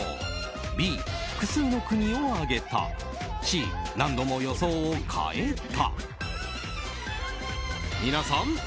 Ｂ、複数の国を挙げたＣ、何度も予想を変えた。